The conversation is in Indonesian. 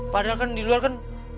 padahal kan di luar kan